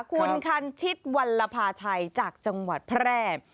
คุณคันชิตวัลภาชัยจากจังหวัดแพร่